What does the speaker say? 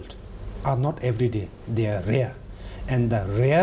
และพอพวกเป็นตำรวจผู้คนสำคัญกังด่ามึง